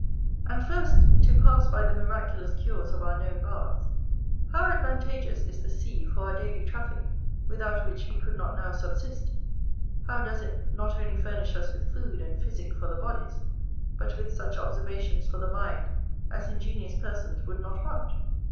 And first, to pass by the miraculous cures of our known baths, how advantageous is the sea for our daily traffick, without which we could not now subsist. How does it not only furnish us with food and physick for the bodies, but with such observations for the mind as ingenious persons would not want!